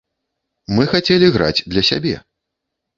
Мы хацелі граць для сябе.